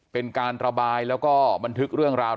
เป็นการระบายแล้วก็บันทึกเรื่องราว